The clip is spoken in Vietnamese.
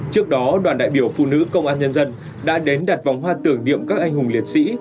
trước đó đoàn đại biểu phụ nữ công an nhân dân đã đến đặt vòng hoa tưởng niệm các anh hùng liệt sĩ